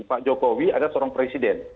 pak jokowi adalah seorang presiden